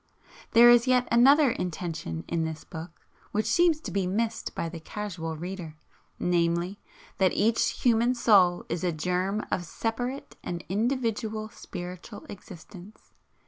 There is yet another intention in this book which seems to be missed by the casual reader, namely, That each human soul is a germ of SEPARATE and INDIVIDUAL spiritual existence.